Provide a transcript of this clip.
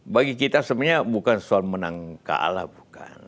bagi kita sebenarnya bukan soal menang kalah bukan